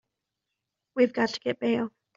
We've got to get bail.